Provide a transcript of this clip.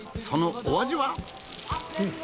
そのお味は？